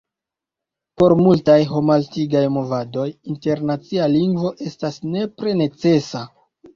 Por multaj homaltigaj movadoj internacia lingvo estas nepre necesa.